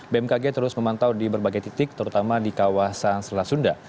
bmkg terus memantau di berbagai titik terutama di kawasan selat sunda